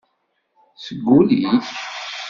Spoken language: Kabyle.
Seg ul-ik?